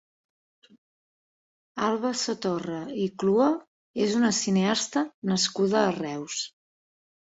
Alba Sotorra i Clua és una cineasta nascuda a Reus.